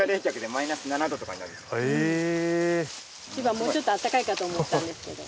もうちょっとあったかいかと思ったんですけど。